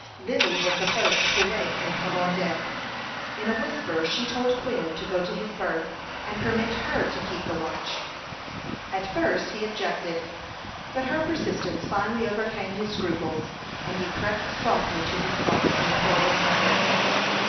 Lily was the first to wake and come on deck. In a whisper she told Quin to go to his berth, and permit her to keep the watch. At first he objected; but her persistence finally overcame his scruples, and he crept softly to his bunk in the forward cabin.